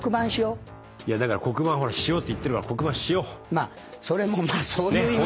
まあそれもそういう意味じゃ。